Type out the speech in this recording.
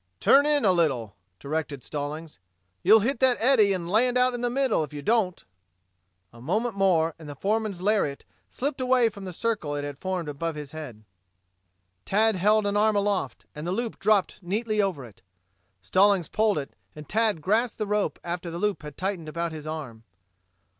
"Turn in a little," directed Stallings. "You'll hit that eddy and land out in the middle, if you don't." A moment more and the foreman's lariat slipped away from the circle it had formed above his head. Tad held an arm aloft, and the loop dropped neatly over it. Stallings pulled it and Tad grasped the rope after the loop had tightened about his arm.